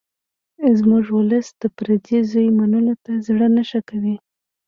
زموږ ولس د پردي زوی منلو ته زړه نه ښه کوي